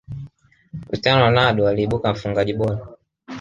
cristiano ronaldo aliibuka mfungaji bora